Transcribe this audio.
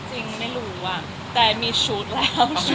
จริงไม่รู้แต่มีชุดแล้ว